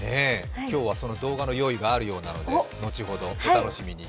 今日はその動画の用意があるようなので、後ほどお楽しみに。